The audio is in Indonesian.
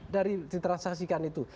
dari ditransaksikan itu